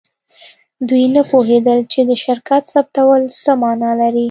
دوی نه پوهیدل چې د شرکت ثبتول څه معنی لري